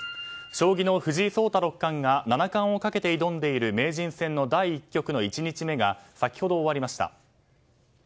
将棋の藤井聡太六冠が七冠をかけて挑んでいる名人戦の第１局の１日目が先ほど終わりました。